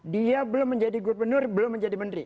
dia belum menjadi gubernur belum menjadi menteri